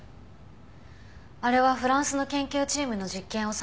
あれはフランスの研究チームの実験を参考にしたんだけど。